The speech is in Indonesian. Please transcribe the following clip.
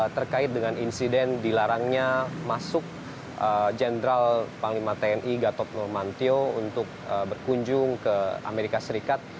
terkait dengan insiden dilarangnya masuk jenderal panglima tni gatot nurmantio untuk berkunjung ke amerika serikat